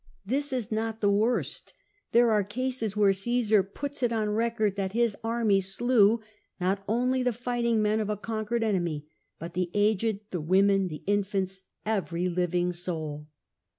This was not the worst ; there are cases where Caesar puts it on record that his army slew not only the fighting men of a conquered enemy, but the aged, the women, the infants, every living soul.